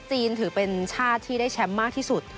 จีนถือเป็นชาติที่ได้แชมป์มากที่สุด